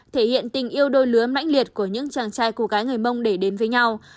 thể hiện tình yêu đôi lứa mãnh liệt của những chàng trai cô gái người mông để đến với nhau